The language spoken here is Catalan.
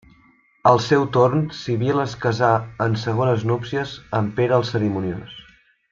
Al seu torn, Sibil·la es casà en segones núpcies amb Pere el Cerimoniós.